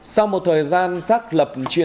sau một thời gian sát lập chuyển